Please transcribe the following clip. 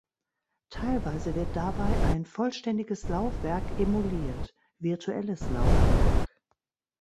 Teilweise wird dabei ein vollständiges Laufwerk emuliert (virtuelles Laufwerk).